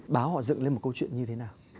báo họ dựng lên một câu chuyện như thế nào